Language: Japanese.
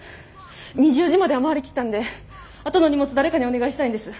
１４時１６時までは回りきったんであとの荷物誰かにお願いしたいんです。